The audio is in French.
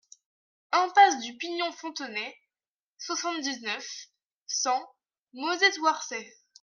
Impasse du Pignon -Fontenay, soixante-dix-neuf, cent Mauzé-Thouarsais